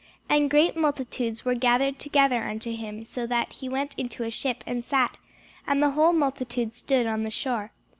And great multitudes were gathered together unto him, so that he went into a ship, and sat; and the whole multitude stood on the shore.